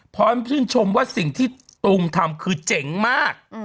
พร้อมชื่นชมว่าสิ่งที่ตุงทำคือเจ๋งมาก